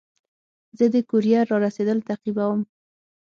زه د کوریر رارسېدل تعقیبوم.